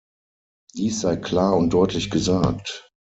Dies sei klar und deutlich gesagt.